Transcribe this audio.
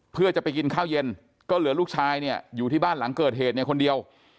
เพื่อจะไปกินข้าวเย็นก็เหลือลูกชายเนี่ยอยู่ที่บ้านหลังเกิดเหตุเนี่ยคนเดียว